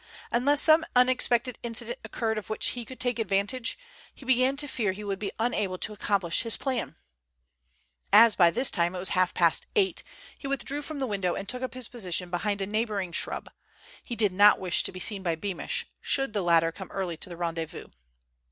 Unless some unexpected incident occurred of which he could take advantage, he began to fear he would be unable to accomplish his plan. As by this time it was half past eight, he withdrew from the window and took up his position behind a neighboring shrub. He did not wish to be seen by Beamish, should the latter come early to the rendezvous.